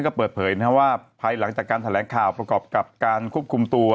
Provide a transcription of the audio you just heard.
ก็เปิดเผยว่าภายหลังจากการแถลงข่าวประกอบกับการควบคุมตัว